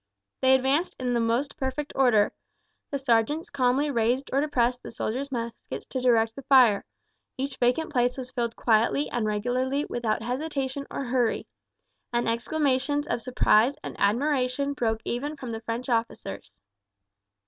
They advanced in the most perfect order. The sergeants calmly raised or depressed the soldiers' muskets to direct the fire; each vacant place was filled quietly and regularly without hesitation or hurry; and exclamations of surprise and admiration broke even from the French officers.